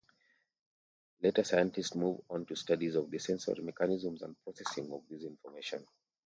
Later scientists moved onto studies of the sensory mechanisms and processing of this information.